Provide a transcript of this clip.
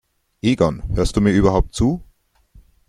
Egon, hörst du mir überhaupt zu?